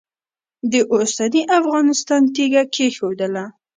د اوسني افغانستان تیږه کښېښودله.